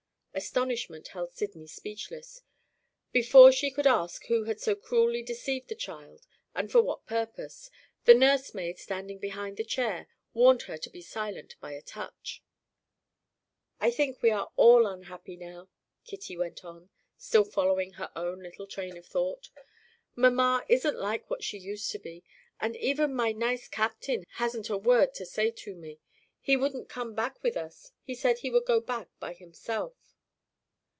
Astonishment held Sydney speechless. Before she could ask who had so cruelly deceived the child, and for what purpose, the nursemaid, standing behind the chair, warned her to be silent by a touch. "I think we are all unhappy now," Kitty went on, still following her own little train of thought. "Mamma isn't like what she used to be. And even my nice Captain hasn't a word to say to me. He wouldn't come back with us; he said he would go back by himself."